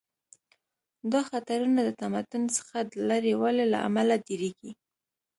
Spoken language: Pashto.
دا خطرونه د تمدن څخه د لرې والي له امله ډیریږي